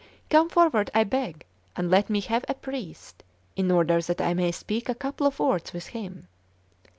Come forward, I beg, and let me have a priest, in order that I may speak a couple of words with him.